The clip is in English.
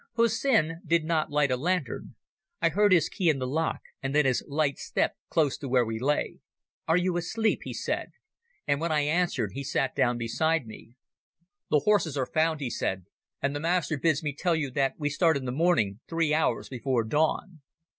Hussin did not light a lantern. I heard his key in the lock, and then his light step close to where we lay. "Are you asleep?" he said, and when I answered he sat down beside me. "The horses are found," he said, "and the Master bids me tell you that we start in the morning three hours before dawn."